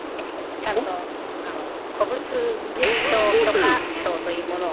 ちゃんと古物商許可証というものを。